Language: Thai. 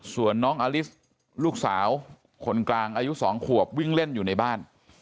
ส่วนน้องอลิสลูกสาวคนกลางอายุ๒ขวบวิ่งเล่นอยู่ในบ้าน